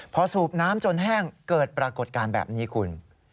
พอสูบน้ำจนแห้งเกิดปรากฏการณ์แบบนี้คุณ